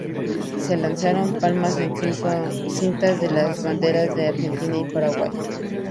Se lanzaron palomas con cintas de las banderas de Argentina y Paraguay.